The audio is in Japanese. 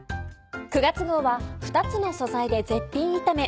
９月号は２つの素材で絶品炒め。